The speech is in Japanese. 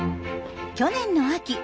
去年の秋